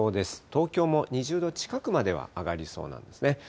東京も２０度近くまでは上がりそうなんですね。